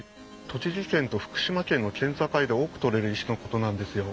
栃木県と福島県の県境で多く採れる石のことなんですよ。